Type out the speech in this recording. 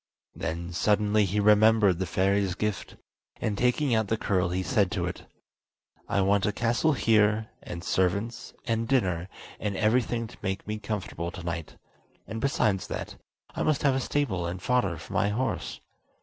Then suddenly he remembered the fairy's gift, and taking out the curl he said to it: "I want a castle here, and servants, and dinner, and everything to make me comfortable tonight; and besides that, I must have a stable and fodder for my horse."